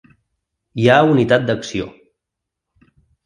Hi ha unitat d’acció.